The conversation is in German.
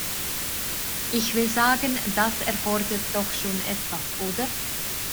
Ich will sagen, das erfordert doch schon etwas, oder?